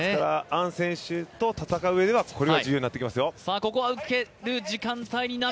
アン選手と戦ううえでは、これが重要になってきますよ。